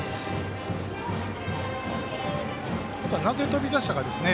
あとは、なぜ飛び出したかですね。